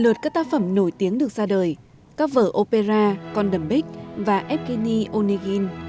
lượt các tác phẩm nổi tiếng được ra đời các vở opera condumbik và evgeny onegin